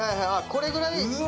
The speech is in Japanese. これぐらい。